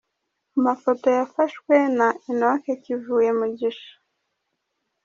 Amafoto yafashwe na Henoc Kivuye Mugisha.